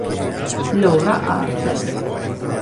Laura Harper